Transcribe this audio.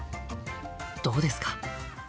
どうですか？